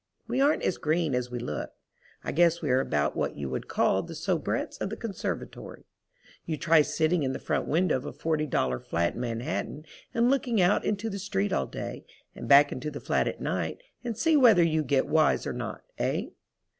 We aren't as green as we look. I guess we are about what you would call the soubrettes of the conservatory. You try sitting in the front window of a $40 flat in Manhattan and looking out into the street all day, and back into the flat at night, and see whether you get wise or not—hey?